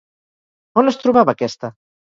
On es trobava aquesta?